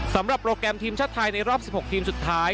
โปรแกรมทีมชาติไทยในรอบ๑๖ทีมสุดท้าย